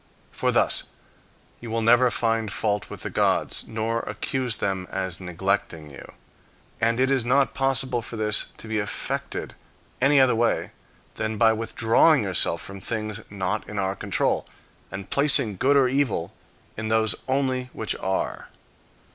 For thus you will never find fault with the gods, nor accuse them as neglecting you. And it is not possible for this to be effected any other way than by withdrawing yourself from things not in our own control, and placing good or evil in those only which are.